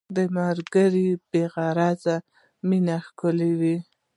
ملګری د بې غرضه مینې ښکلا وي